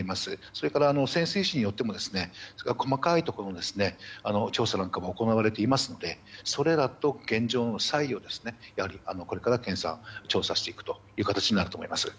そして、潜水士によっても細かいところの調査なんかも行われていますのでそれらと、現状をそこの差異をこれから調査していくと思います。